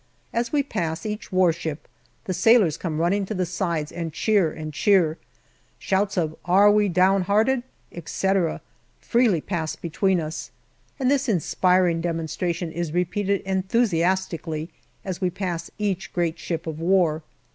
As we pass each warship the sailors come running to the sides and cheer and cheer. Shouts of " Are we downhearted ?" etc., 172 GALLIPOLI DIARY freely pass between us, and this inspiring demonstration is repeated enthusiastically as we pass each great ship of war.